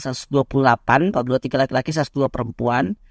kalau dua tiga laki laki satu ratus dua perempuan